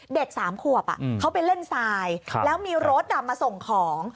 เด็กสามขวบเขาไปเล่นทรายแล้วมีรถมาส่งของ